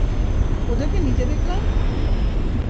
ওদেরকে নিচে দেখলাম!